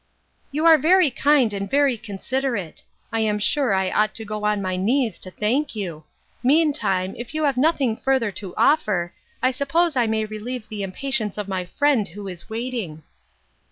"You are very kind and very considerate ; I am sure I ought to go on my knees to thank you ; meantime, if you have nothing further to offer, I suppose I may relieve the impatience of my friend who is waiting."